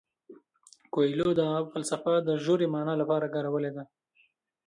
کویلیو دا فلسفه د ژورې مانا لپاره کارولې ده.